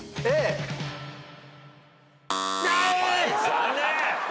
残念！